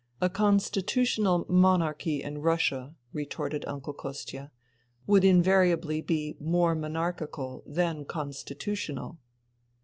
*' A constitutional monarchy in Russia," retorted Uncle Kostia, " would invariably be more monarchi cal than constitutional."